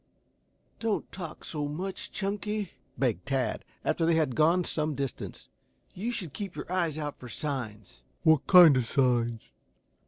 "Don't talk so much, Chunky," begged Tad, after they had gone on some distance. "You should keep your eyes out for signs." "What kind of signs?"